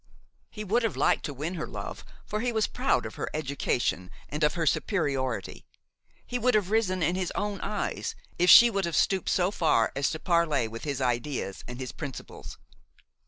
He would have liked to win her love, for he was proud of her education and of her superiority. He would have risen in his own eyes if she would have stooped so far as to parley with his ideas and his principles.